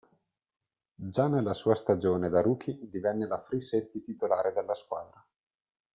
Già nella sua stagione da rookie divenne la free safety titolare della squadra.